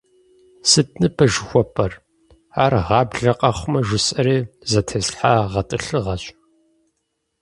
Сыт ныбэ жыхуэпӏэр? Ар гъаблэ къэхъумэ жысӏэри зэтеслъхьа гъэтӏылъыгъэщ.